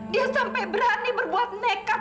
dia sampai berani berbuat nekat